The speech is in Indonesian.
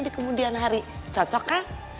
di kemudian hari cocok kan